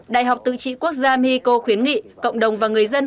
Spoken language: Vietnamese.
đại học tự trị quốc gia mexico khuyến nghị cộng đồng và người dân